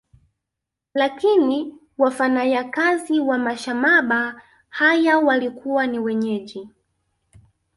Lakini wafanayakazi wa mashamaba haya walikuwa ni wenyeji